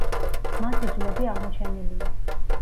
მათი ძვლები აღმოჩენილია.